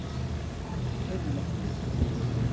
Ad neqqlet!